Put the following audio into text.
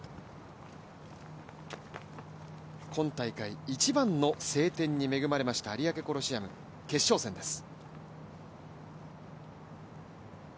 今大会一番の晴天に恵まれました有明コロシアム決勝戦です。